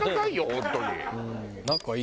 本当に。